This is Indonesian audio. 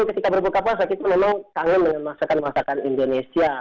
ketika berbuka puasa kita memang kangen dengan masakan masakan indonesia